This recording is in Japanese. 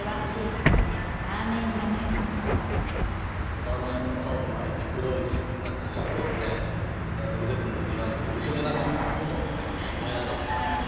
ラーメン屋さんがタオル巻いて黒いシャツ着て腕組んでにらんでこう後ろに何か炎みたいなね燃え上がってたりしてね。